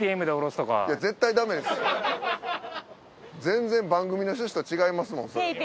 全然番組の趣旨と違いますもんそれ。